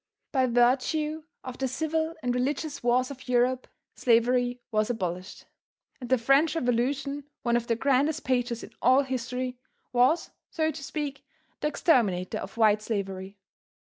By virtue of the civil and religious wars of Europe, slavery was abolished, and the French Revolution, one of the grandest pages in all history, was, so to speak, the exterminator of white slavery.